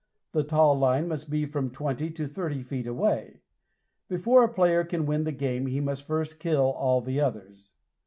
The taw line must be from twenty to thirty feet away. Before a player can win the game he must first kill all the others.